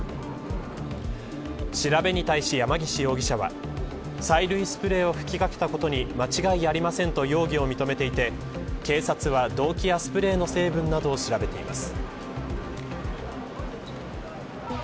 調べに対し、山岸容疑者は催涙スプレーを吹きかけたことに間違いありませんと容疑を認めていて警察は動機やスプレーの成分などを調べています。